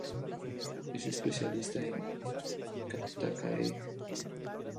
Es especialista en Cactaceae.